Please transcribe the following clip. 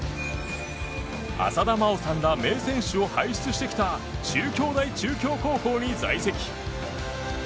浅田真央さんら名選手を輩出してきた中京大中京高校に在籍。